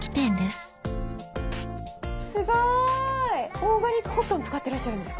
オーガニックコットン使ってらっしゃるんですか？